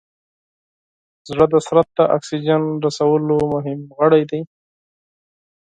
زړه د بدن د اکسیجن رسولو مهم غړی دی.